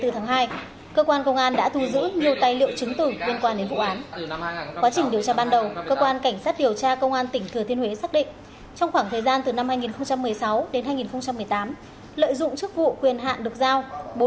trong khoảng thời gian từ năm hai nghìn một mươi sáu đến hai nghìn một mươi tám lợi dụng chức vụ quyền hạn được giao